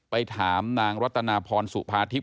ไปถามนางรัตนาพรสุภาทิพย